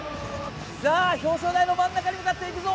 さあ表彰台の真ん中に向かって行くぞ！